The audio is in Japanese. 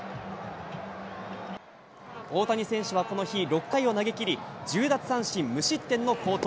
大谷選手はこの日、６回を投げきり、１０奪三振無失点の好投。